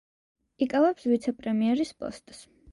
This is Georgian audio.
იკავებს ვიცე-პრემიერის პოსტს.